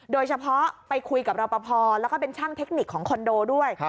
โดยเฉพาะไปคุยกับรอปภแล้วก็เป็นช่างเทคนิคของคอนโดด้วย